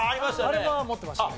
あれは持ってましたね。